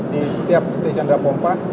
di setiap stasiun repompanya